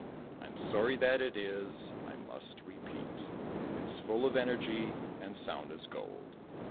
I'm sorry that it is, I must repeat It's full of energy, and sound as gold.